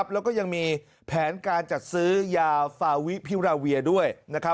แล้วก็ยังมีแผนการจัดซื้อยาฟาวิพิราเวียด้วย